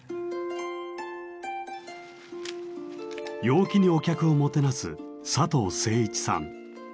陽気にお客をもてなす佐藤清一さん。